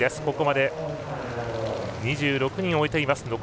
ここまで２６人終えています。